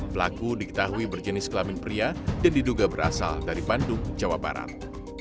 pelaku diketahui berjenis kelamin pria dan diduga berasal dari bandung jawa barat